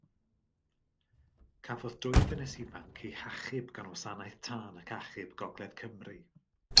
Cafodd dwy ddynes ifanc eu hachub gan Wasanaeth Tân ac Achub Gogledd Cymru.